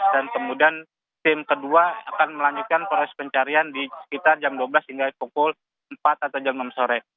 dan kemudian tim kedua akan melanjutkan proses pencarian di sekitar jam dua belas hingga pukul empat atau jam enam sore